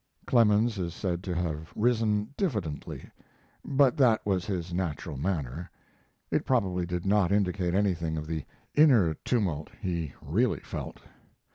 Clemens is said to have risen diffidently, but that was his natural manner. It probably did not indicate anything of the inner tumult he really felt.